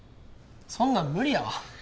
そんなん無理やわ。